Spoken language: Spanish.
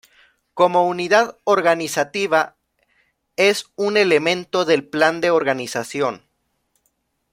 Como unidad organizativa, es un elemento del plan de organización.